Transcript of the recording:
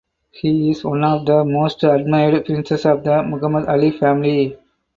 He is one of the most admired princes of the Muhammad Ali family.